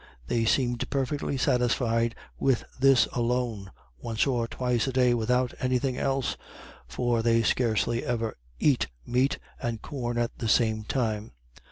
They seem perfectly satisfied with this alone, once or twice a day without any thing else, for they scarcely ever eat meat and corn at the same time.